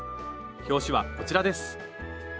表紙はこちらです